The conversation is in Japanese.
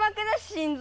心臓。